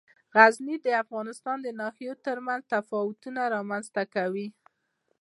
غزني د افغانستان د ناحیو ترمنځ تفاوتونه رامنځ ته کوي.